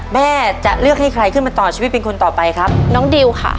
แม่จะเลือกให้ใครขึ้นมาต่อชีวิตเป็นคนต่อไปครับน้องดิวค่ะ